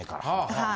はい。